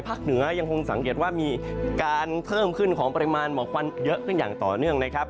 เหนือยังคงสังเกตว่ามีการเพิ่มขึ้นของปริมาณหมอกควันเยอะขึ้นอย่างต่อเนื่องนะครับ